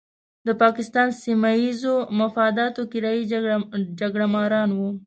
د پاکستان سیمه ییزو مفاداتو کرایي جګړه ماران وو.